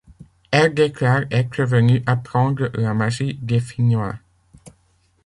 Elle déclare être venu apprendre la magie des Finnois.